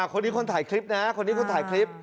คนนี้คนถ่ายคลิปนะคนนี้คนถ่ายคลิป